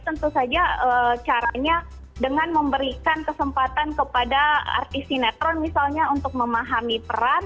tentu saja caranya dengan memberikan kesempatan kepada artis sinetron misalnya untuk memahami peran